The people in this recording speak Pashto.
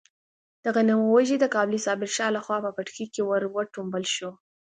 د غنمو وږی د کابلي صابر شاه لخوا په پټکي کې ور وټومبل شو.